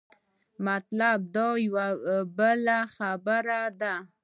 مطلب دا یوه بېله خبره ده.